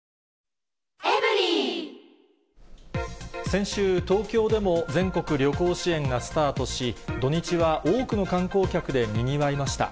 先週、東京でも全国旅行支援がスタートし、土日は多くの観光客でにぎわいました。